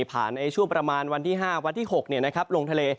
ในช่วงประมาณวันที่๕วันที่๖ลงทะเล